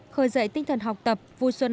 khởi dậy tinh thần học tập vui xuân